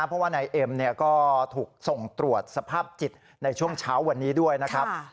เพราะว่านายเอ็มก็ถูกส่งตรวจสภาพจิตในช่วงเช้าวันนี้ด้วยนะครับ